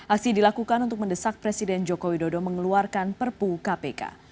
aksi dilakukan untuk mendesak presiden joko widodo mengeluarkan perpu kpk